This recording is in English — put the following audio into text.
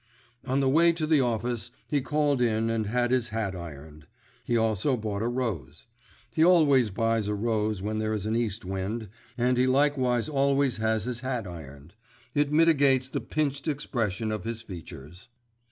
On the way to the office he called in and had his hat ironed. He also bought a rose. He always buys a rose when there is an east wind, and he likewise always has his hat ironed; it mitigates the pinched expression of his features.